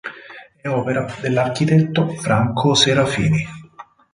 È opera dell'architetto Franco Serafini.